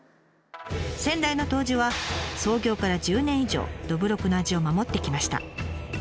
先代の杜氏は創業から１０年以上どぶろくの味を守ってきました。